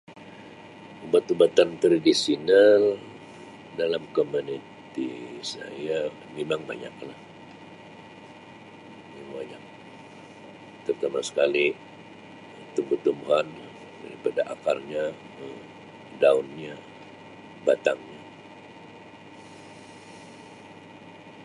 Ubat-ubatan tradisional dalam komuniti saya mimang banyak lah mimang banyak terutama sekali tumbuh-tumbuhan daripada akarnya, daunnya, batangnya.